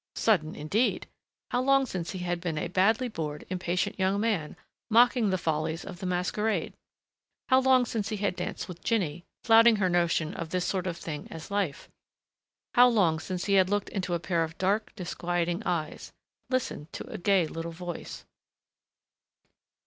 Sudden, indeed! How long since he had been a badly bored, impatient young man, mocking the follies of the masquerade? How long since he had danced with Jinny, flouting her notion of this sort of thing as life? How long since he had looked into a pair of dark disquieting eyes ... listened to a gay little voice....